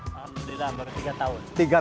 sudah lama baru tiga tahun